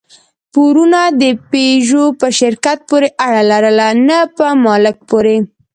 پورونو د پيژو په شرکت پورې اړه لرله، نه په مالک پورې.